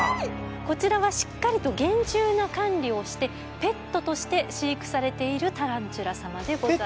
こちらはしっかりと厳重な管理をしてペットとして飼育されているタランチュラ様でございます。